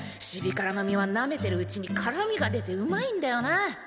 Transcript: シビカラの実はなめてるうちに辛味が出てうまいんだよな